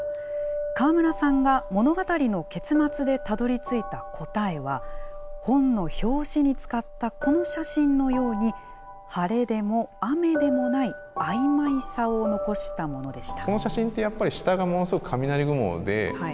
川村さんが物語の結末でたどりついた答えは、本の表紙に使ったこの写真のように、晴れでも雨でもないあいまいさを残したものでした。